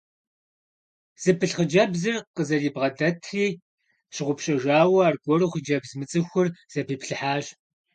Зыпылъ хъыджэбзыр къызэрыбгъэдэтри щыгъупщэжауэ, аргуэру хъыджэбз мыцӏыхур зэпиплъыхьащ.